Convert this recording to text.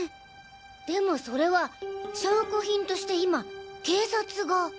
でもそれは証拠品として今警察が。